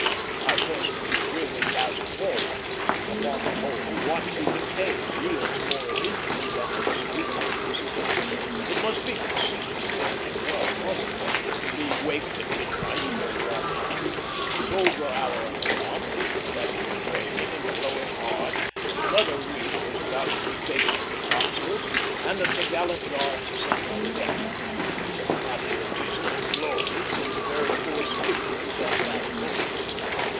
I personally agree with Basil Hall; upon the whole, watch keeping pays, yields more of interest than of disagreeables. It must be conceded that it was unpleasant to be waked at midnight in your warm hammock, told your hour was come, that it was raining and blowing hard, that another reef was about to be taken in the topsails and the topgallant yards sent on deck. Patriotism and glory seemed very poor stimulants at that moment.